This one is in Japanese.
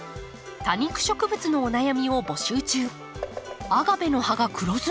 多肉植物のお悩みを募集中。